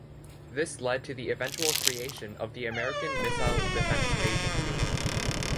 This led to the eventual creation of the American Missile Defense Agency.